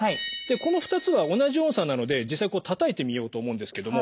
この２つは同じ音叉なので実際たたいてみようと思うんですけども。